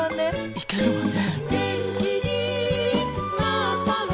いけるわね。